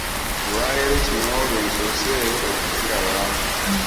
Olwaleero kino lwe nsoose okukiraba.